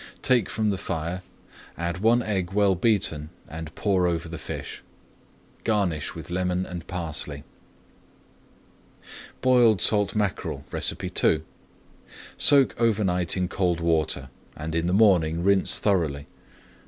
Take from the fire, add one egg well beaten, and pour over the fish. Garnish with lemon and parsley. BOILED SALT MACKEREL II Soak over night in cold water and in the morning rinse thoroughly.